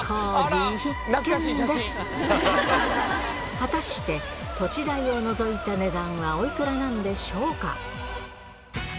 果たして土地代を除いた値段はおいくらなんでしょうか？